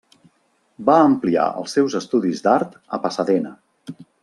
Va ampliar els seus estudis d'art a Pasadena.